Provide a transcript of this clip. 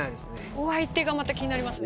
お相手がまた気になりますね。